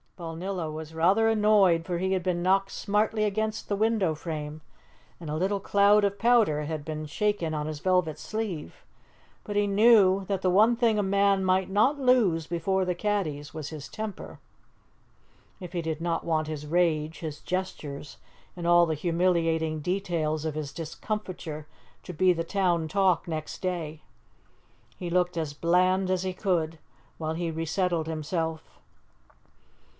Balnillo was rather annoyed, for he had been knocked smartly against the window frame, and a little cloud of powder had been shaken on his velvet sleeve; but he knew that the one thing a man might not lose before the caddies was his temper, if he did not want his rage, his gestures, and all the humiliating details of his discomfiture to be the town talk next day. He looked as bland as he could while he resettled himself.